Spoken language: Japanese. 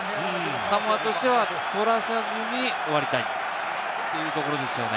サモアとしては取らさずに終わりたいというところですよね。